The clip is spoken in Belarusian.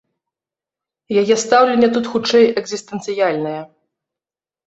Яе стаўленне тут хутчэй экзістэнцыяльнае.